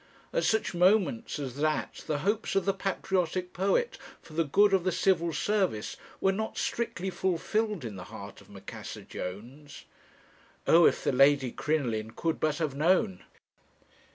At such moments as that the hopes of the patriotic poet for the good of the Civil Service were not strictly fulfilled in the heart of Macassar Jones. Oh, if the Lady Crinoline could but have known!